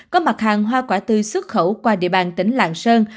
có mặt hàng hoa quả tươi xuất khẩu qua địa bàn tỉnh lạng sơn